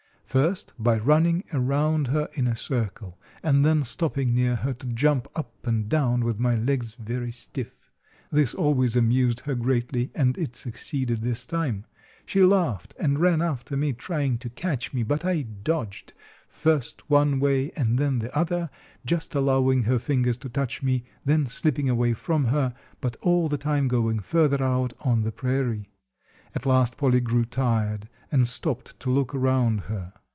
First, by running around her in a circle, and then stopping near her to jump up and down with my legs very stiff. This always amused her greatly, and it succeeded this time. She laughed and ran after me, trying to catch me, but I dodged first one way and then the other, just allowing her fingers to touch me, then slipping away from her, but all the time going further out on the prairie. At last Polly grew tired and stopped to look around her.